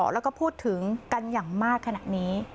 แล้วก็พูดถึงกันอย่างมากขณะนี้